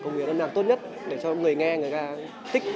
công việc âm nhạc tốt nhất để cho người nghe người ta thích